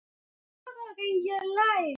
Usihofu Baba anajibu kwa haki